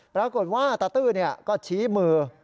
ปรากฏว่าตาตื้อก็ชี้มือ